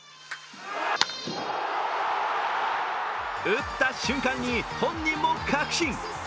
打った瞬間に本人も確信。